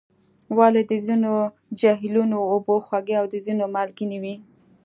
ولې د ځینو جهیلونو اوبه خوږې او د ځینو مالګینې وي؟